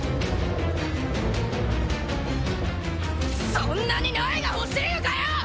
そんなに苗が欲しいのかよ！